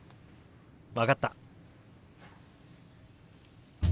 分かった。